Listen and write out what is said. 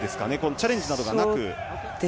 チャレンジなどがなく。